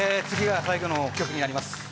次が最後の曲になります